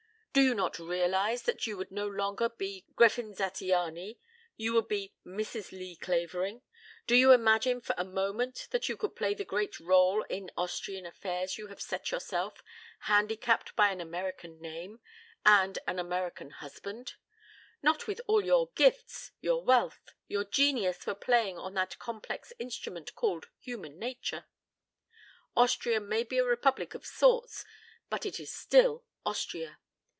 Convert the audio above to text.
Do you not realize that you would no longer be Gräfin Zattiany, you would be Mrs. Lee Clavering? Do you imagine for a moment that you could play the great rôle in Austrian affairs you have set yourself, handicapped by an American name and an American husband? Not with all your gifts, your wealth, your genius for playing on that complex instrument called human nature. Austria may be a Republic of sorts, but it is still Austria.